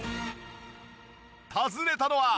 訪ねたのは。